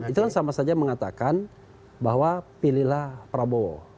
itu kan sama saja mengatakan bahwa pilihlah prabowo